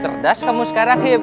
cerdas kamu sekarang him